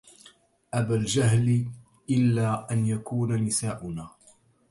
أبى الجهل إلا أن يكون نساؤنا